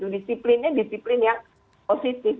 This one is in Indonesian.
disiplinnya disiplin yang positif